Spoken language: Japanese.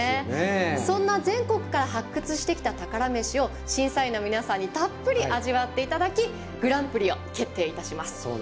そんな全国から発掘してきた宝メシを審査員の皆さんにたっぷり味わっていただきグランプリを決定いたします。